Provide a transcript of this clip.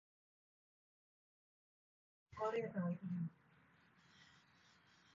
แต่จริงแล้วก็เรียบร้อยดี